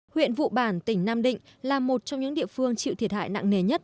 huyện vụ bản tỉnh nam định là một trong những địa phương chịu thiệt hại nặng nề nhất